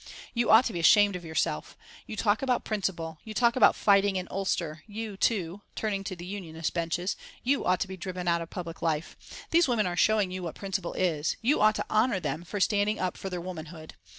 You ought to be ashamed of yourself. You talk about principle you talk about fighting in Ulster you, too " turning to the Unionist benches "You ought to be driven out of public life. These women are showing you what principle is. You ought to honour them for standing up for their womanhood.